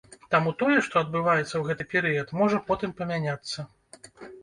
Таму тое, што адбываецца ў гэты перыяд, можа потым памяняцца.